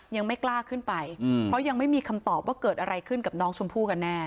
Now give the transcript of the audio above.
ยังไม่กล้าขึ้นไปเพราะยังไม่มีคำตอบว่าเกิดอะไรขึ้นกับน้องชมพู่กันแน่